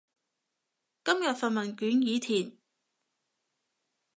今日份問卷已填